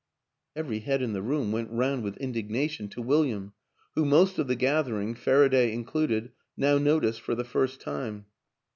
" Every head in the room went round with indig nation to William who most of the gathering, Faraday included, now noticed for the first time.